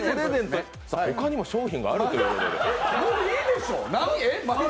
他にも商品があるということで。